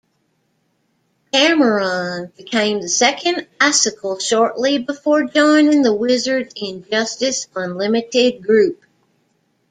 Cameron became the second Icicle shortly before joining the Wizard's Injustice Unlimited group.